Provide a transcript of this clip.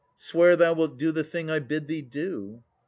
Swear thou wilt do the thing I bid thee do.